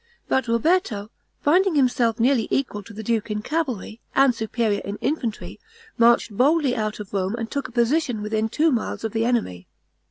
But Roberto, finding himself nearly equal to the duke in cavalry, and superior in infantry, marched boldly out of Rome and took a position within two miles of the enemy.